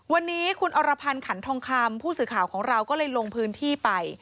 วันนี้คุณอรพันธ์ขันทองคำผู้สื่อข่าวของเราก็เลยลงพื้นที่ไป